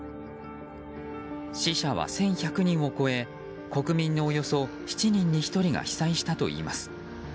死者は１１００人を超え国民のおよそ７人に１人が被災したといいます。